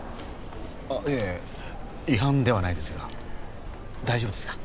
あっいえ違反ではないですが大丈夫ですか？